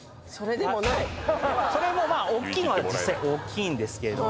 それもまあおっきいのは実際大きいんですけれども。